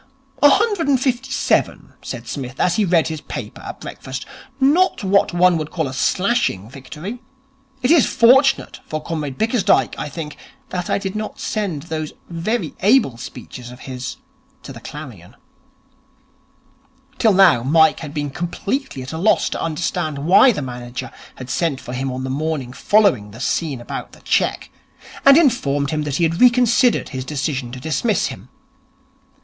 'A hundred and fifty seven,' said Psmith, as he read his paper at breakfast. 'Not what one would call a slashing victory. It is fortunate for Comrade Bickersdyke, I think, that I did not send those very able speeches of his to the Clarion'. Till now Mike had been completely at a loss to understand why the manager had sent for him on the morning following the scene about the cheque, and informed him that he had reconsidered his decision to dismiss him.